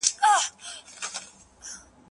که زېربنا نه وای ایښودل سوې ستونزې جوړیدې.